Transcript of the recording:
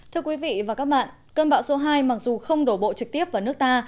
thưa quý vị và các bạn cơn bão số hai mặc dù không đổ bộ trực tiếp vào nước ta